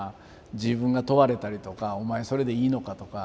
自分が問われたりとかお前それでいいのか？とか。